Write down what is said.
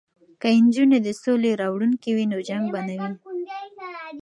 که نجونې د سولې راوړونکې وي نو جنګ به نه وي.